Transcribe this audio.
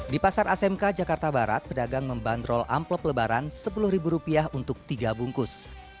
di pasar asmk jakarta barat pedagang membandrol amplop lebaran sepuluh ribu rupiah untuk tiga bungkus